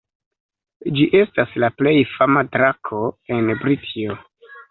Ĝi estas la plej fama drako en Britio.